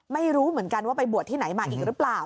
ไม่รู้เหมือนกันว่าไปบวชที่ไหนมาอีกหรือเปล่า